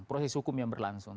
proses hukum yang berlangsung